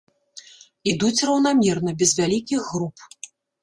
Ідуць раўнамерна, без вялікіх груп.